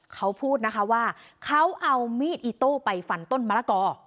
เขาพูดนะคะว่าเขาเอามีดอิโต้ไปฟันต้นมะละกอ